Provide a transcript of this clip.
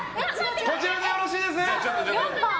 こちらでよろしいですね。